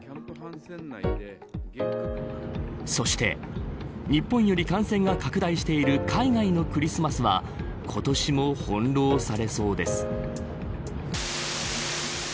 そして、日本より感染が拡大している海外のクリスマスは今年も翻弄されそうです。